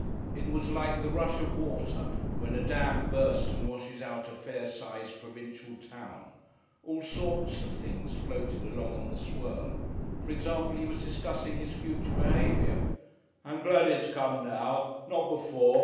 It was like the rush of water when a dam bursts and washes out a fair sized provincial town; all sorts of things floated along on the swirl. For example, he was discussing his future behaviour. "I'm glad it's come now. Not before.